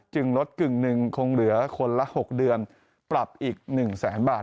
ลดกึ่งหนึ่งคงเหลือคนละ๖เดือนปรับอีก๑แสนบาท